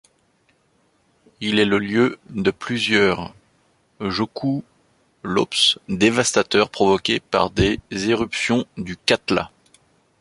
Il est le lieu de plusieurs jökulhlaups dévastateurs provoqués par des éruptions du Katla.